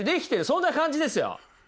そんな感じですよ！